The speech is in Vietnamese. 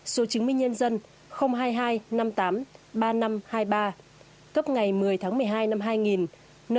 số chứng minh nhân dân hai mươi hai năm mươi tám ba mươi năm hai mươi ba